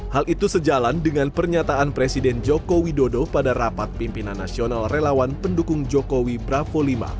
hal itu sejalan dengan pernyataan presiden joko widodo pada rapat pimpinan nasional relawan pendukung jokowi bravo lima